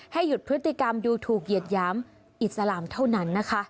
ให้หยุดปฏิกรรมอยู่ถูกเย็นย้ำอิสลามเท่านั้นนะคะ